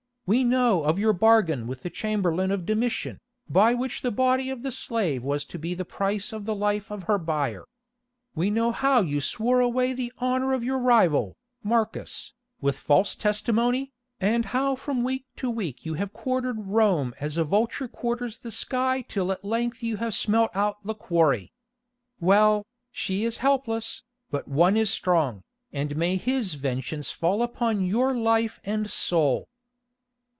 We know of your bargain with the chamberlain of Domitian, by which the body of the slave was to be the price of the life of her buyer. We know how you swore away the honour of your rival, Marcus, with false testimony, and how from week to week you have quartered Rome as a vulture quarters the sky till at length you have smelt out the quarry. Well, she is helpless, but One is strong, and may His vengeance fall upon your life and soul."